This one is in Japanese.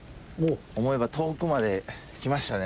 思えば遠くまで来ましたね。